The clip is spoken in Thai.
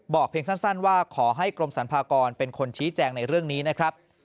เพียงสั้นว่าขอให้กรมสรรพากรเป็นคนชี้แจงในเรื่องนี้นะครับ